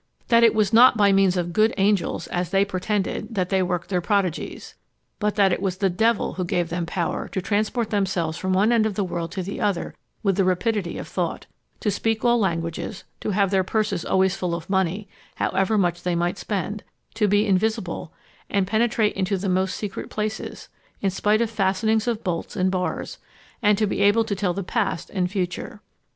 That it was not by means of good angels, as they pretended, that they worked their prodigies; but that it was the devil who gave them power to transport themselves from one end of the world to the other with the rapidity of thought; to speak all languages; to have their purses always full of money, however much they might spend; to be invisible, and penetrate into the most secret places, in spite of fastenings of bolts and bars; and to be able to tell the past and future.